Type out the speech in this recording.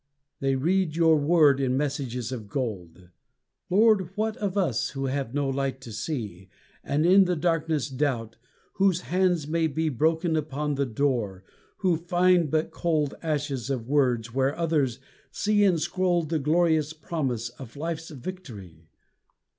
They read Your word in messages of gold. Lord, what of us who have no light to see And in the darkness doubt, whose hands may be Broken upon the door, who find but cold Ashes of words where others see enscrolled, The glorious promise of Life's victory.